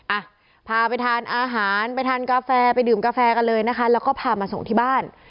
อ่ะพาไปทานอาหารไปทานกาแฟไปดื่มกาแฟกันเลยนะคะแล้วก็พามาส่งที่บ้าน